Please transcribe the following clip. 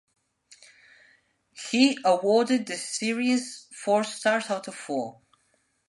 He awarded the series four stars out of four.